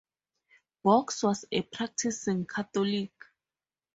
Boggs was a practicing Catholic.